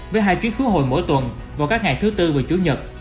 với hai chiếc khứa hồi mỗi tuần vào các ngày thứ tư và chủ nhật